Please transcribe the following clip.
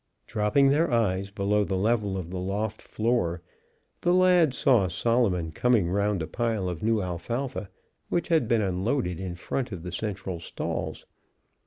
Dropping their eyes below the level of the loft floor, the lads saw Solomon coming round a pile of new alfalfa which had been unloaded in front of the central stalls.